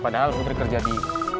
padahal putri kerja di